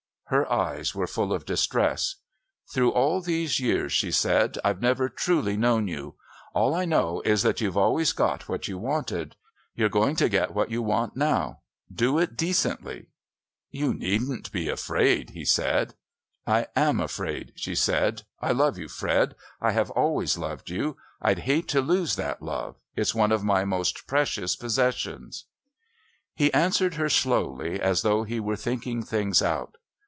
Her eyes were full of distress. "Through all these years," she said, "I've never truly known you. All I know is that you've always got what you wanted. You're going to get what you want now. Do it decently." "You needn't be afraid," he said. "I am afraid," she said. "I love you, Fred; I have always loved you. I'd hate to lose that love. It's one of my most precious possessions." He answered her slowly, as though he were thinking things out.